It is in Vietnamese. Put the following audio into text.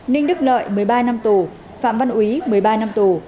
ninh đức lợi một mươi ba năm tù phạm văn quý một mươi ba năm tù